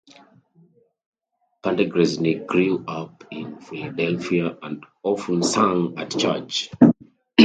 Pendergrass grew up in Philadelphia and often sang at church.